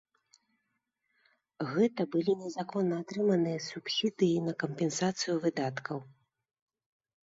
Гэта былі незаконна атрыманыя субсідыі на кампенсацыю выдаткаў.